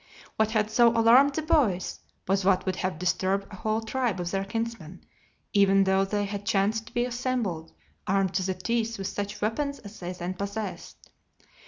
What had so alarmed the boys was what would have disturbed a whole tribe of their kinsmen, even though they had chanced to be assembled, armed to the teeth with such weapons as they then possessed.